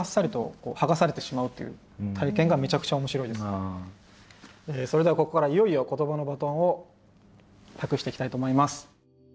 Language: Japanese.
もうこの時点でそれではここからいよいよ言葉のバトンを託していきたいと思います。